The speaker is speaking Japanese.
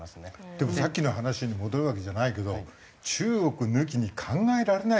でもさっきの話に戻るわけじゃないけど中国抜きに考えられないでしょ経済。